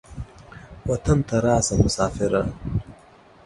وطن ته راسه مسافره.